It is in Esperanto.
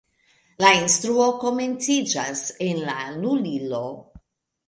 La instruo komenciĝas en la lulilo.